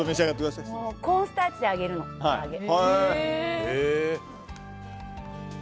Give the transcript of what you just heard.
コーンスターチで揚げるの唐揚げ。